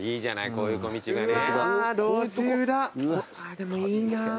でもいいなぁ。